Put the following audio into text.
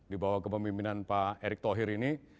di bawah kepemimpinan pak erick thohir ini